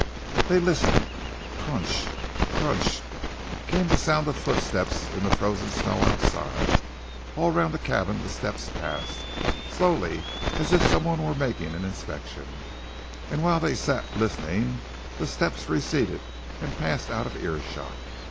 They listened. Crunch! crunch! came the sound of footsteps in the frozen snow outside. All round the cabin the steps passed, slowly, as if some one were making an inspection, and whilst they still sat listening, the steps receded and passed out of earshot.